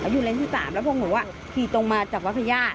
อยู่เลนที่๓แล้วพวกหนูขี่ตรงมาจากวัดพญาติ